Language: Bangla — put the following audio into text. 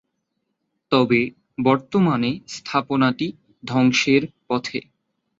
তবে বর্তমানে স্থাপনাটি ধ্বংসের পথে।